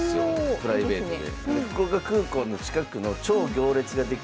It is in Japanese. プライベートで。